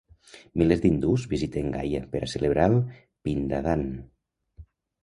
Milers d'hindús visiten Gaya per a celebrar el "pindadan".